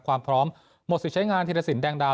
ความพร้อมหมดสิทธิ์ใช้งานธิรสินแดงดา